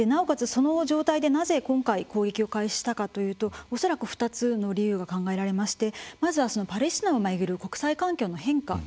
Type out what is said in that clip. その状態でなぜ今回攻撃を開始したかというと恐らく２つの理由が考えられましてまずはパレスチナを巡る国際環境の変化ですね。